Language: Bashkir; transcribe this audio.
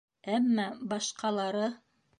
Әммә башҡалары!